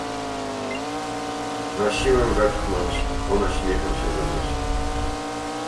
Na siłę wepchnąć, ona śmiechem się zanosi